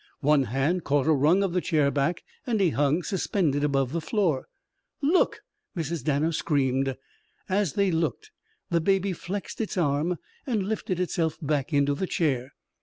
One hand caught a rung of the chair back and he hung suspended above the floor. "Look!" Mrs. Danner screamed. As they looked, the baby flexed its arm and lifted itself back into the chair.